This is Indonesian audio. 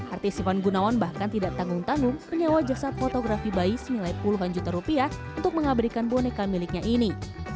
artis ivan gunawan bahkan tidak tanggung tanggung menyewa jasad fotografi bayi senilai puluhan juta rupiah untuk mengabdikan boneka miliknya ini